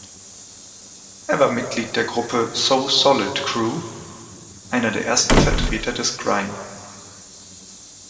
Er war Mitglied der Gruppe So Solid Crew, einer der ersten Vertreter des Grime.